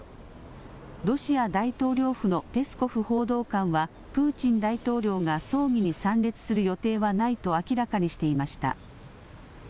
ロシア大統領府のペスコフ報道官はプーチン大統領が葬儀に参列する予定はないと明らかにしていました。